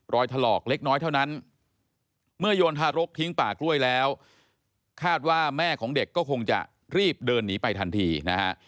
ถลอกเล็กน้อยเท่านั้นเมื่อโยนทารกทิ้งป่ากล้วยแล้วคาดว่าแม่ของเด็กก็คงจะรีบเดินหนีไปทันทีนะฮะ